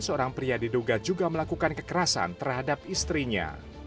seorang pria diduga juga melakukan kekerasan terhadap istrinya